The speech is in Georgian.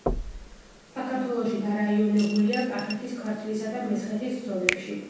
საქართველოში დარაიონებულია კახეთის, ქართლისა და მესხეთის ზონებში.